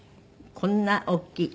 こんな大きい。